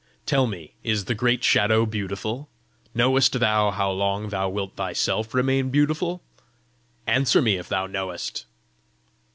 Tell me, is the great Shadow beautiful? Knowest thou how long thou wilt thyself remain beautiful? Answer me, if thou knowest."